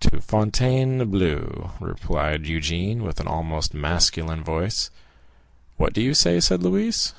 "To Fontainebleau," replied Eugénie with an almost masculine voice. "What do you say?" said Louise.